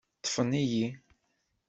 Ṭṭfen-iyi.